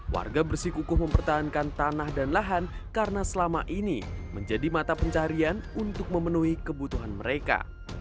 warga bersikukuh mempertahankan tanah dan lahan karena selama ini menjadi mata pencarian untuk memenuhi kebutuhan mereka